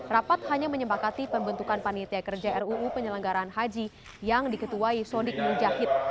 rapat hanya menyempakati pembentukan panitia kerja ruu penyelenggaraan haji yang diketuai sodik munjahid